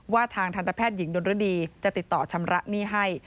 ทางทันตแพทย์หญิงดนรดีจะติดต่อชำระหนี้ให้